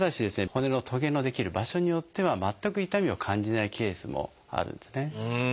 骨のトゲの出来る場所によっては全く痛みを感じないケースもあるんですね。